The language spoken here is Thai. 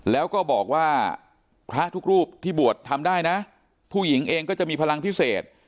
แล้วก็บอกว่าพระทุกรูปที่บวชทำได้นะผู้หญิงเองก็จะมีพลังพิเศษ